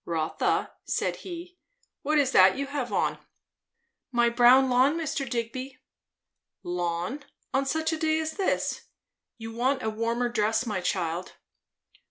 "Rotha," said he, "what is that you have on?" "My brown lawn, Mr. Digby." "Lawn? on such a day as this? You want a warmer dress, my child."